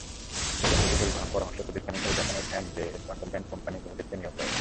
প্রকল্পটির পরামর্শক প্রতিষ্ঠান হিসেবে জাপানের এনজেএস কনসালট্যান্ট কোম্পানি লিমিটেডকে নিয়োগ দেওয়া হয়েছে।